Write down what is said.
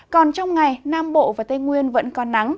còn trong ngày nam bộ và tây nguyên vẫn còn nắng